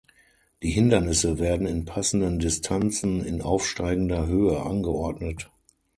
Die Hindernisse werden in passenden Distanzen in aufsteigender Höhe angeordnet.